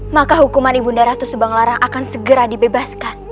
maka hukuman ibu naratu subanglarang akan segera dibebaskan